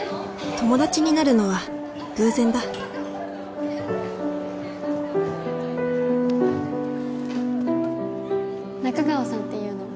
友達になるのは偶然だ仲川さんっていうの？